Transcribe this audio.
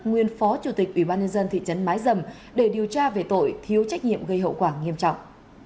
nguyên phó chủ tịch ủy ban nhân dân thị trấn mái dầm để điều tra về tội thiếu trách nhiệm gây hậu quả nghiêm trọng